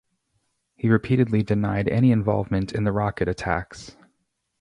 He repeatedly denied any involvement in the rocket attacks.